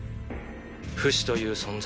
フシという存在。